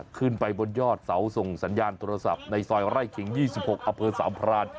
ขึ้นไปบนยอดเสาส่งสัญญาณโทรศัพท์ในซอยไร่ขิง๒๖อำเภอสามพราน